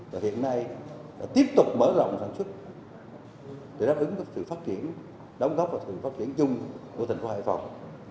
và hiện nay tiếp tục mở rộng sản xuất để đáp ứng với sự phát triển đóng góp và sự phát triển chung của thành phố hải phòng